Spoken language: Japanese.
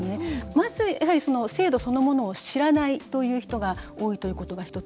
まず、やはり制度そのものを知らないという人が多いということが１つ。